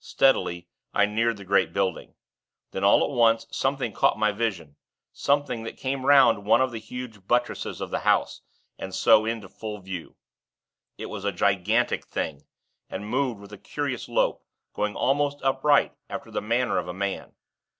Steadily, I neared the great building. Then, all at once, something caught my vision, something that came 'round one of the huge buttresses of the House, and so into full view. It was a gigantic thing, and moved with a curious lope, going almost upright, after the manner of a man.